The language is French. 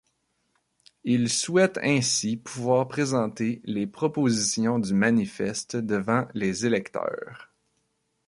Ils souhaitent ainsi pouvoir présenter les propositions du manifeste devant les électeurs.